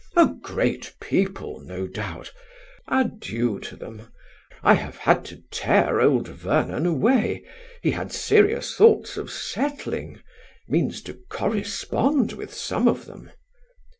A great people, no doubt. Adieu to them. I have had to tear old Vernon away. He had serious thoughts of settling, means to correspond with some of them."